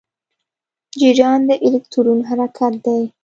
جریان د الکترون حرکت دی.